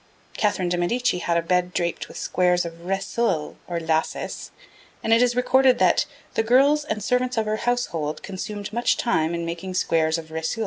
Catherine de Medicis had a bed draped with squares of reseuil, or lacis, and it is recorded that 'the girls and servants of her household consumed much time in making squares of reseuil.'